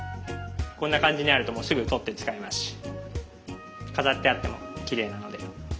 こんな感じにあるとすぐとって使えますし飾ってあってもきれいなので。